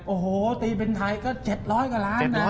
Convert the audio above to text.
โอ้โหตีเป็นไทยก็๗๐๐กว่าล้านนะ